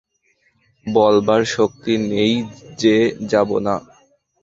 বলবার শক্তি নেই যে যাব না।